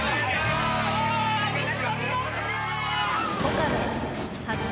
岡部発見。